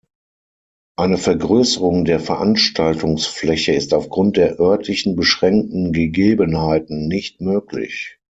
Eine Vergrößerung der Veranstaltungsfläche ist aufgrund der örtlichen, beschränkten Gegebenheiten nicht möglich.